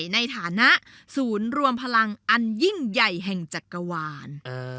ในฐานะศูนย์รวมพลังอันยิ่งใหญ่แห่งจักรวาล